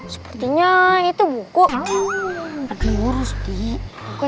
sepertinya itu buku